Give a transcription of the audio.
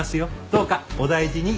どうかお大事に。